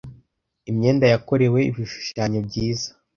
imyenda yakorewe ibishushanyo byiza